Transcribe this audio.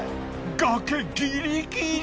崖ギリギリ！